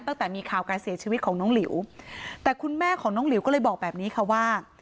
ตั้งแต่มีข่าวการเสียชีวิตของน้องหลิวแต่คุณแม่ของน้องหลิวก็เลยบอกแบบนี้ค่ะว่า